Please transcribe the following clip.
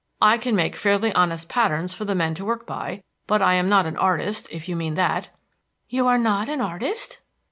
I can make fairly honest patterns for the men to work by; but I am not an artist, if you mean that." "You are not an artist?"